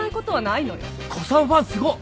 古参ファンすごっ。